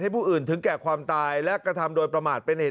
ผู้อื่นถึงแก่ความตายและกระทำโดยประมาทเป็นเหตุ